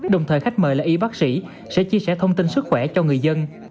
đồng thời khách mời là y bác sĩ sẽ chia sẻ thông tin sức khỏe cho người dân